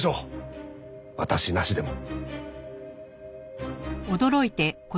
私なしでも。